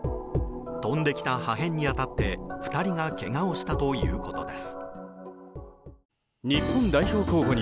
飛んできた破片に当たって２人がけがをしたということです。